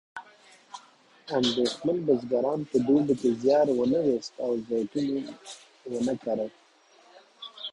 اندېښمن بزګران په دوبي کې زیار ایښود او زیتون ونه کرله.